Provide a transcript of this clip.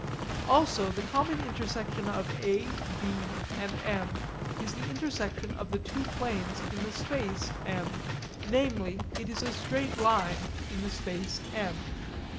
Also the common intersection of A, B, and M is the intersection of the two planes in the space M, namely it is a straight line in the space M.